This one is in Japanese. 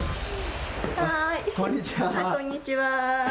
こんにちは。